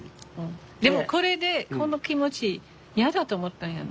でもこれでこの気持ち嫌だと思ったんよね。